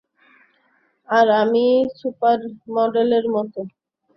আর আমি সুপার মডেলের মতো।